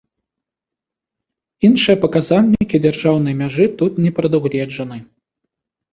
Іншыя паказальнікі дзяржаўнай мяжы тут не прадугледжаны.